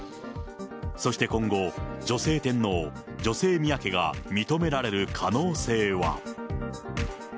そして今後、女性天皇、女性宮家が認められる可能性は。